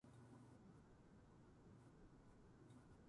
猫が好きです